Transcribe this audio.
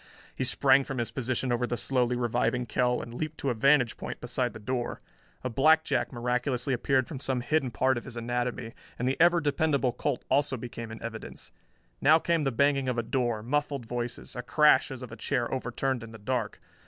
He sprang from his position over the slowly reviving Kell and leaped to a vantage point beside the door. A blackjack miraculously appeared from some hidden part of his anatomy and the ever dependable Colt also became in evidence. Now came the banging of a door, muffled voices, a crash as of a chair overturned in the dark.